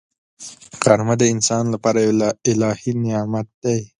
غرمه د انسان لپاره یو الهي نعمت دی